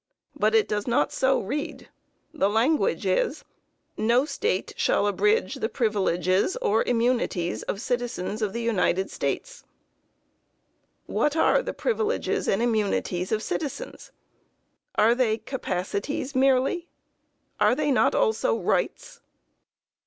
But it does not so read. The language is: 'No State shall abridge the privileges or immunities of citizens of the United States.' What are the privileges and immunities of citizens? Are they capacities merely? Are they not also rights?"